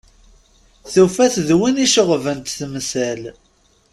Tufa-t d win i iceɣben-tt temsal.